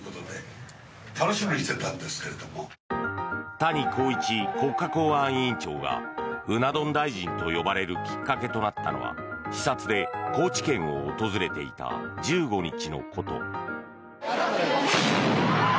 谷公一国家公安委員長がうな丼大臣と呼ばれるきっかけとなったのは視察で高知県を訪れていた１５日のこと。